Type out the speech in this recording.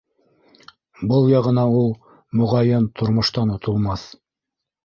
Был яғына ул, моғайын, тормоштан отолмаҫ.